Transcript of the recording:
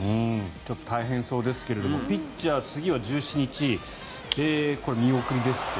ちょっと大変そうですがピッチャーは次は１７日これ、見送りですって。